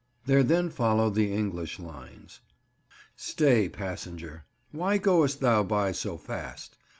There then follow the English lines— "Stay, Passenger, why goest thov by so fast?